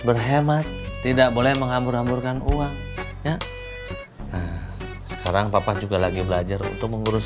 berhemat tidak boleh menghambur hamburkan uang ya nah sekarang papa juga lagi belajar untuk mengurus